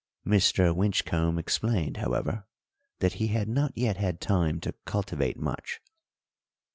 Mr. Winchcombe explained, however, that he had not yet had time to cultivate much.